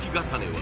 は